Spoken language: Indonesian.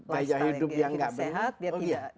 daya hidup yang tidak benar